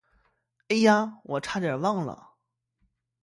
哎呀，我差点忘了。